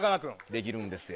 できるんですよ。